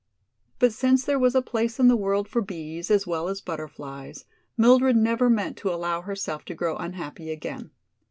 But since there was a place in the world for bees as well as butterflies, Mildred never meant to allow herself to grow unhappy again.